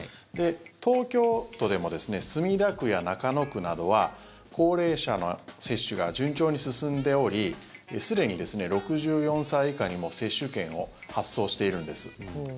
東京都でも墨田区や中野区などは高齢者の接種が順調に進んでおりすでに６４歳以下にも接種券を発送しているんです。